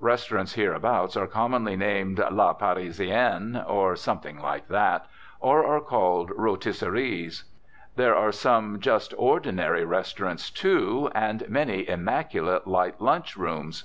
Restaurants hereabouts are commonly named "La Parisienne," or something like that, or are called "rotisseries." There are some just ordinary restaurants, too, and many immaculate, light lunch rooms.